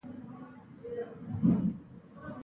د قاتلو، قبضه ګرو، لنډه غرو او قاچاق برو خونړۍ منګولې.